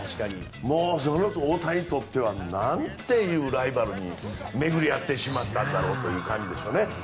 もうすごく大谷にとってはなんていうライバルに巡り合ってしまったんだろうという感じでしょうね。